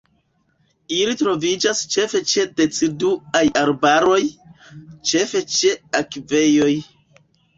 Ili troviĝas ĉefe ĉe deciduaj arbaroj, ĉefe ĉe akvejoj.